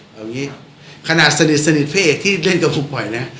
แบบงี้ขนาดสนิทสนิทเพศที่เล่นกับผมไว้นะ